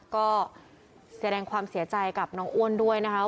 ก็แสดงความเสียใจกับน้องอ้วนด้วยนะคะ